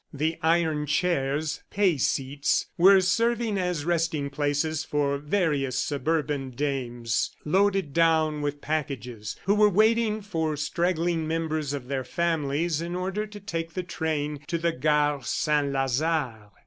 The iron chairs, "pay seats," were serving as resting places for various suburban dames, loaded down with packages, who were waiting for straggling members of their families in order to take the train in the Gare Saint Lazare.